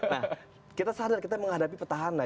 nah kita sadar kita menghadapi petahana